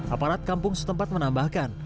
aparat kampung setempat menambahkan